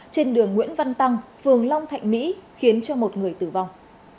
trên đường nguyễn văn tăng phường long thạnh mỹ khiến cho một người tử vong